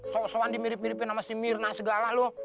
sok sokan dimirip miripin sama si mirna segala lu